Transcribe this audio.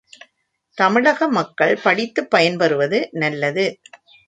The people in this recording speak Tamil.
தமிழக மக்கள் படித்துப் பயன் பெறுவது நல்லது.